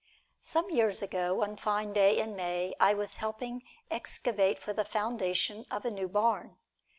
Some years ago, one fine day in May, I was helping excavate for the foundation of a new barn.